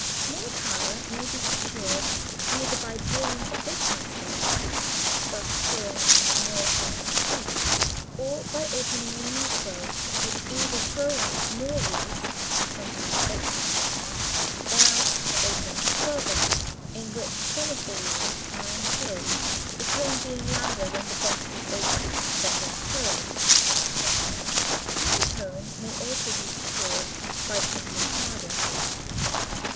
More power may be secured either by drawing additional stops, thus throwing on more sets of reeds, or by opening the knee swells which either throw on more reeds (sometimes octave couplers) or else open a swell box in which some of the reeds are enclosed, the tone being louder when the box is open than when closed. More tone may also be secured by pumping harder.